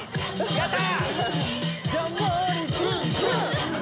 やった！